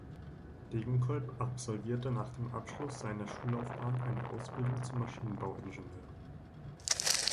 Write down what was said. Degenkolb absolvierte nach dem Abschluss seiner Schullaufbahn eine Ausbildung zum Maschinenbauingenieur.